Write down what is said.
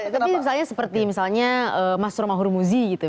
tapi misalnya seperti mas romahur muzi gitu ya